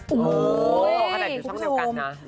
โอ้โหขนาดอยู่ช่องเดียวกันนะ